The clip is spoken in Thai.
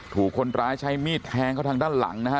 ถูกคนร้ายใช้มีดแทงเขาทางด้านหลังนะฮะ